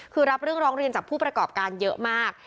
คือรับเรื่องร้องเรียนจากผู้ประกอบการเยอะมาก